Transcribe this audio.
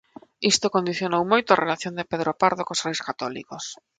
Isto condicionou moito a relación de Pedro Pardo cos Reis Católicos.